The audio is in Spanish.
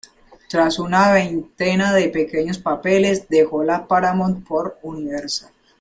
Tras una veintena de pequeños papeles dejó la Paramount por Universal.